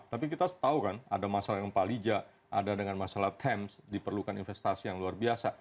tapi kita tahu kan ada masalah dengan pak lija ada dengan masalah times diperlukan investasi yang luar biasa